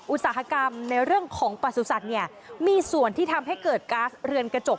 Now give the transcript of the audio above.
อุตสาหกรรมในเรื่องของประสุทธิ์เนี่ยมีส่วนที่ทำให้เกิดก๊าซเรือนกระจก